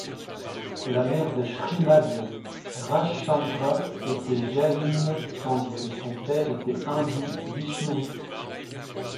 La mère de Shrimad Rajchandra était jaïne tandis que son père était hindou vishnouïte.